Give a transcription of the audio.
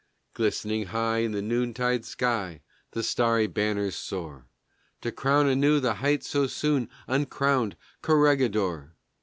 Glistering high in the noontide sky the starry banners soar To crown anew the height so soon uncrowned, Corregidor.